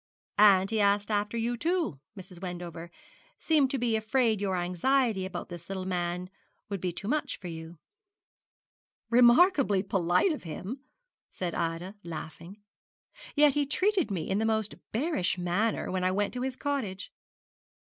And he asked after you, too, Mrs. Wendover, seemed to be afraid your anxiety about this little man would be too much for you.' 'Remarkably polite of him,' said Ida, laughing; 'yet he treated me in the most bearish manner when I went to his cottage.'